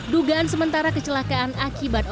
dugaan sementara kecelakaan akibat